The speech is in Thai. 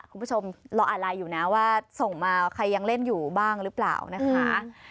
คุณผู้ชมรออ่านไลน์อยู่นะว่าส่งมาใครยังเล่นอยู่บ้างหรือเปล่านะคะ